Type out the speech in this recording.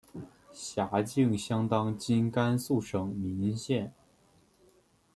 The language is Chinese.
辖境相当今甘肃省岷县。